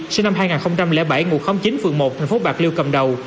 sinh năm hai nghìn bảy ngụ khóm chín phường một thành phố bạc liêu cầm đầu